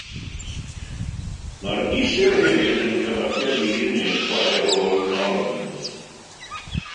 Mae'r dísir hefyd yn cyfateb i neu'n chwarae rôl norns.